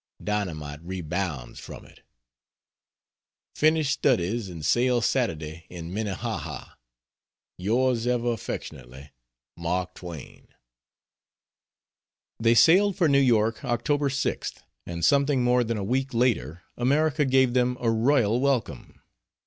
Dynamite rebounds from it. Finished studies and sail Saturday in Minnehaha. Yours ever affectionately, MARK TWAIN. They sailed for New York October 6th, and something more than a week later America gave them a royal welcome.